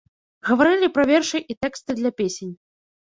Гаварылі пра вершы і тэксты для песень.